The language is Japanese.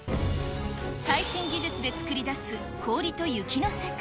最新技術で作り出す氷と雪の世界。